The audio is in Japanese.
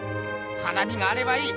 花火があればいい！